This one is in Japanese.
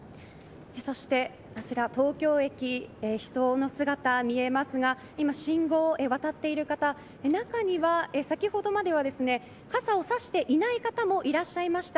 そして、あちら東京駅人の姿が見えますが今、信号を渡っている方中には、先ほどまでは傘を差していない方もいらっしゃいました。